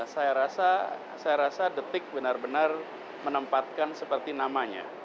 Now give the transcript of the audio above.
saya rasa detik benar benar menempatkan seperti namanya